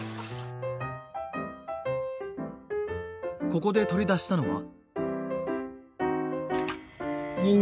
ここで取り出したのは。